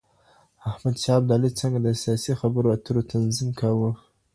احمد شاه ابدالي څنګه د سیاسي خبرو اترو تنظیم کاوه؟